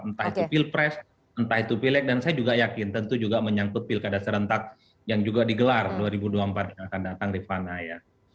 entah itu pilpres entah itu pilek dan saya juga yakin tentu juga menyangkut pilkada serentak yang juga digelar dua ribu dua puluh empat yang akan datang rifana ya